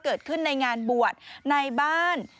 เกิดขึ้นในงานบวชในบ้าน